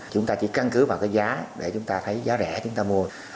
chúng ta chỉ căn cứ vào cái giá để chúng ta thấy giá rẻ chúng ta mua